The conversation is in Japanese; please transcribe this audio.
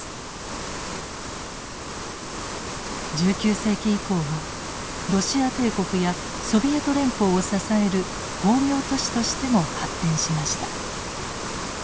１９世紀以降はロシア帝国やソビエト連邦を支える工業都市としても発展しました。